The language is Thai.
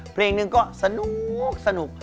เพลงหนึ่งก็สนุก